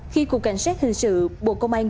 khi cục cảnh sát hình sự bộ công an